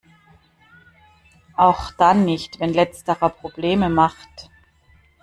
Auch dann nicht, wenn letzterer Probleme macht.